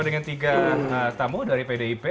dengan tiga tamu dari pdip